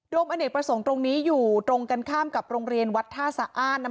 อเนกประสงค์ตรงนี้อยู่ตรงกันข้ามกับโรงเรียนวัดท่าสะอ้าน